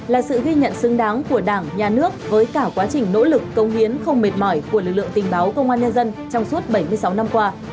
là sự ghi nhận xứng đáng của đảng nhà nước với cả quá trình nỗ lực công hiến không mệt mỏi của lực lượng tình báo công an nhân dân trong suốt bảy mươi sáu năm qua